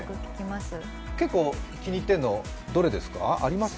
結構、気に入ってるの、あります？